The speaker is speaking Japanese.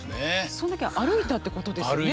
それだけ歩いたってことですよね